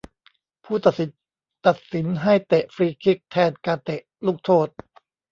ผู้ตัดสินตัดสินให้เตะฟรีคิกแทนการเตะลูกโทษ